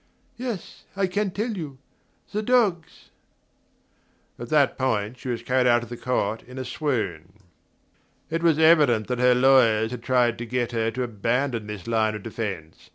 "Yes, I can tell you. The dogs " At that point she was carried out of the court in a swoon. ........ It was evident that her lawyer tried to get her to abandon this line of defense.